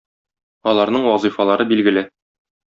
Аларның вазифалары билгеле.